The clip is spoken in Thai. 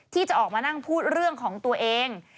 ที่จะออกมานั่งพูดเรื่องของตัวเอง